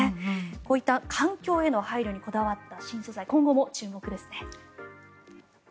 こういった環境への配慮にこだわった新素材今後も注目ですね。